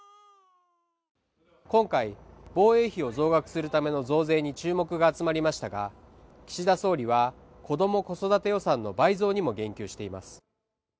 今回防衛費を増額するための増税に注目が集まりましたが岸田総理は子ども子育て予算の倍増にも言及しています